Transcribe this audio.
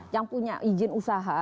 yang punya izin usaha